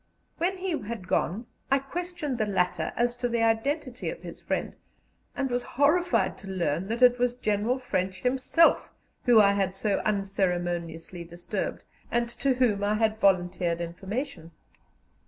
When he had gone, I questioned the latter as to the identity of his friend, and was horrified to learn that it was General French himself whom I had so unceremoniously disturbed, and to whom I had volunteered information.